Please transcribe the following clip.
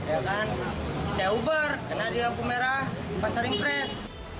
ya kan saya uber kena di lampu merah pasaring kris